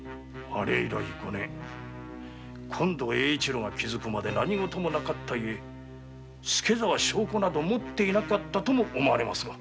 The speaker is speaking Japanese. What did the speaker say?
あれ以来五年今度英一郎が気づくまで何ごともなかったゆえ助左は証拠など持っていなかったとも思われますが。